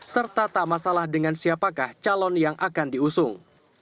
serta tak masalah dengan siapakah calon yang akan diusung